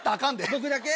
僕だけ？